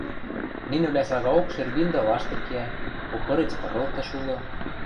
Нинӹвлӓ сагаок шергиндӹ лаштык киӓ, охырец пырылтыш улы.